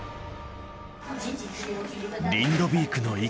リンドビークの